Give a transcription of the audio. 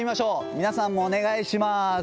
皆さんもお願いします。